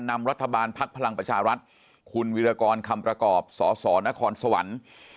นำรัฐบาลภักดิ์พลังประชารัฐคุณวิรากรคำประกอบสสนครสวรรค์